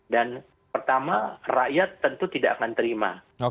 dan pertama rakyat tentu tidak akan terima